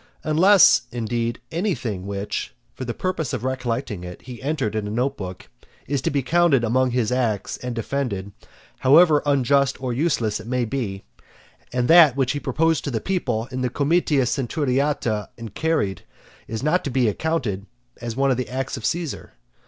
Unless, indeed, anything which, for the purpose of recollecting it, he entered in a note book, is to be counted among his acts, and defended, however unjust or useless it may be; and that which he proposed to the people in the comitia centuriata and carried, is not to be accounted one of the acts of Caesar.